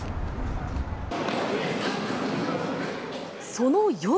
その夜。